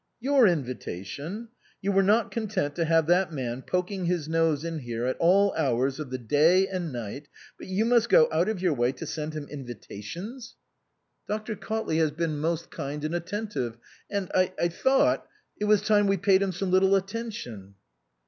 " Your invitation ? You were not content to have that man poking his nose in here at all hours of the day and night, but you must go out of your way to send him invitations ?" 262 SPRING FASHIONS " Dr. Cautley has been most kind and at tentive, and I thought it was time we paid him some little attention."